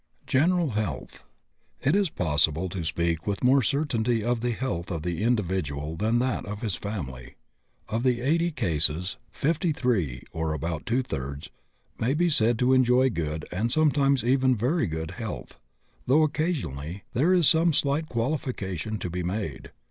GENERAL HEALTH. It is possible to speak with more certainty of the health of the individual than of that of his family. Of the 80 cases, 53 or about two thirds may be said to enjoy good, and sometimes even very good, health, though occasionally there is some slight qualification to be made.